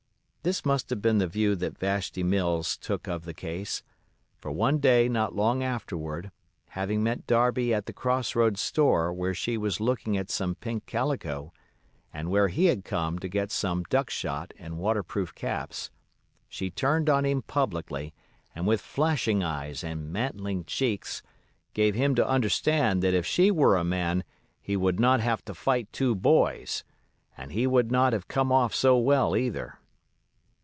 This must have been the view that Vashti Mills took of the case; for one day not long afterward, having met Darby at the cross roads store where she was looking at some pink calico, and where he had come to get some duck shot and waterproof caps, she turned on him publicly, and with flashing eyes and mantling cheeks, gave him to understand that if she were a man he "would not have had to fight two boys," and he would not have come off so well either.